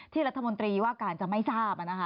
รัฐมนตรีว่าการจะไม่ทราบ